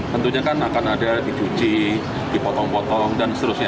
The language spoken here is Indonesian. tentunya kan akan ada dicuci dipotong potong dan seterusnya